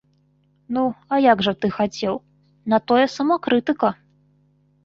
Ну, а як жа ты хацеў, на тое самакрытыка.